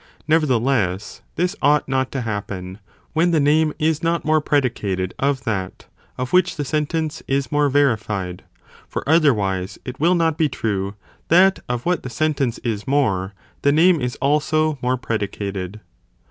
Nevertheless, this ought not to happen, when the name is not more predicated of that, of which the sentence is more verified,! for otherwise it will not be (true), that of what the sentence is more, the name is also more (predicated.)